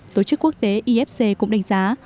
tổ chức quốc tế ifc cũng đánh giá